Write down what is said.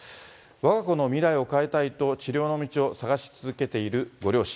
わが子の未来を変えたいと、治療の道を探し続けているご両親。